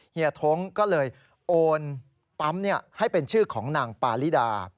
เฮีท้งก็เลยโอนปั๊มให้เป็นชื่อของนางปาริดา